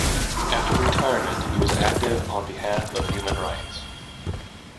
After retirement he was active on behalf of human rights.